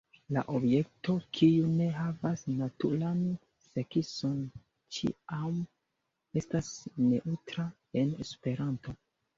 La objekto kiu ne havas naturan sekson ĉiam estas neŭtra en Esperanto.